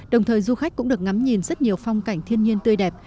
đồng thời du khách cũng được ngắm nhìn rất nhiều phong cảnh thiên nhiên tươi đẹp